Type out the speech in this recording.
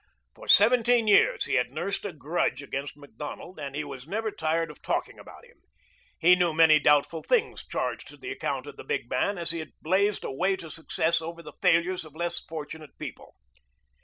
For seventeen years he had nursed a grudge against Macdonald, and he was never tired of talking about him. He knew many doubtful things charged to the account of the big man as he had blazed a way to success over the failures of less fortunate people.